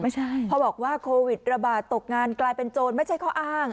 พอบอกว่าโควิดระบาดตกงานกลายเป็นโจรไม่ใช่ข้ออ้าง